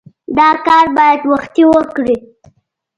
دا کار باید وختي وکړې.